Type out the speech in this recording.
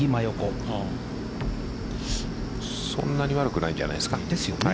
そんなに悪くないんじゃないですか。